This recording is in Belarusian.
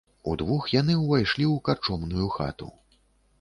Удвух яны ўвайшлі ў карчомную хату.